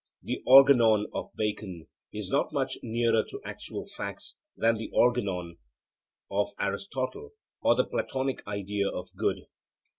The Organon of Bacon is not much nearer to actual facts than the Organon of Aristotle or the Platonic idea of good.